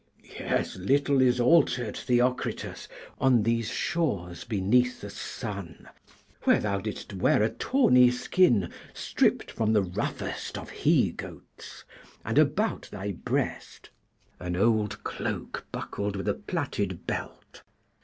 Yes, little is altered, Theocritus, on these shores beneath the sun, where thou didst wear a tawny skin stripped from the roughest of he goats, and about thy breast an old cloak buckled with a plaited belt.